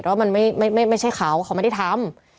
ว่ามันไม่ใช่เขาเขาไม่ได้ทำ